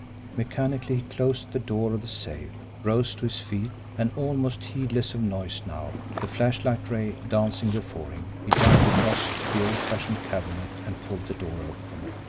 Mechanically he closed the door of the safe, rose to his feet and, almost heedless of noise now, the flashlight ray dancing before him, he jumped across to the old fashioned cabinet and pulled the door open.